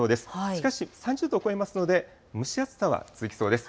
しかし、３０度を超えますので、蒸し暑さは続きそうです。